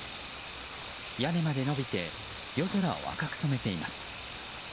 屋根まで伸びて夜空を赤く染めています。